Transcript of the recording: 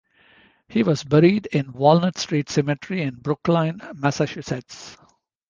He was buried in Walnut Street Cemetery in Brookline, Massachusetts.